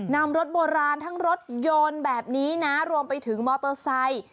นำรถโบราณทั้งรถยนต์แบบนี้นะรวมไปถึงมอเตอร์ไซค์